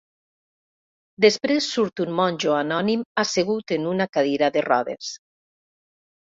Després surt un monjo anònim assegut en una cadira de rodes.